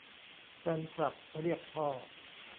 แฟนคลับเรียก : พ่อ